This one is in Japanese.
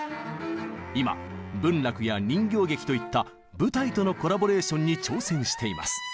今文楽や人形劇といった舞台とのコラボレーションに挑戦しています。